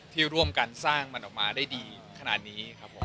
ที่ร่วมกันสร้างมันออกมาได้ดีขนาดนี้ครับผม